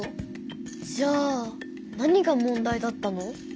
じゃあ何が問題だったの？